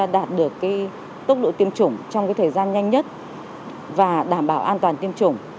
đạt được tốc độ tiêm chủng trong thời gian nhanh nhất và đảm bảo an toàn tiêm chủng